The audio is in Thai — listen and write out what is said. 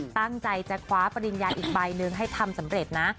ตั้งใจจะคว้าปริญญาอีกใบหนึ่งให้ทำสำเร็จนะ